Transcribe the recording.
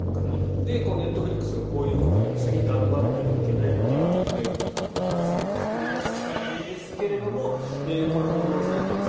ネットフリックスがこういうことで次頑張らないといけないということで新しいのを作り出したんですがこれ、報道されています